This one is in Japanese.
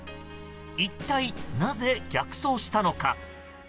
一体なぜ、逆走したのか。